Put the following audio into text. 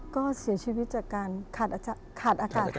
ก็เสียชีวิตจากการขาดอากาศ